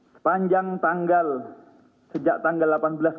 sepanjang tanggal sejak tanggal delapan belas